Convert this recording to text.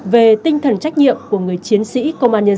về tinh thần trách nhiệm của người chiến sĩ công an nhân dân